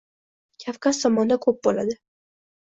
Kavkaz tomonda ko‘p bo‘ladi.